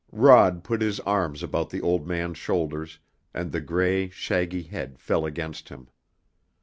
Rod put his arms about the old man's shoulders, and the gray, shaggy head fell against him.